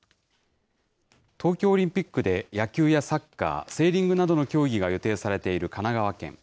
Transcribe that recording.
東京オリンピックで野球やサッカー、セーリングなどの競技が予定されている神奈川県。